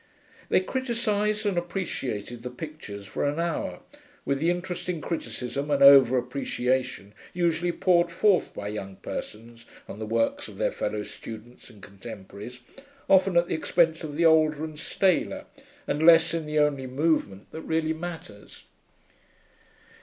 They criticised and appreciated the pictures for an hour, with the interested criticism and over appreciation usually poured forth by young persons on the works of their fellow students and contemporaries, often at the expense of the older and staler and less in the only movement that really matters.